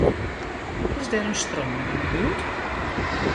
Is der in strân yn 'e buert?